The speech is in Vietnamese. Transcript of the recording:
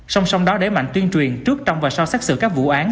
song song đó để mạnh tuyên truyền trước trong và sau xác xử các vụ án